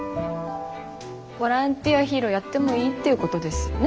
ボランティアヒーローやってもいいってことですよね？